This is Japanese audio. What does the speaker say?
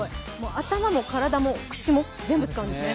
頭も体も口も全部使うんですね。